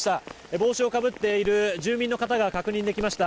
帽子をかぶっている住民の方が確認できました。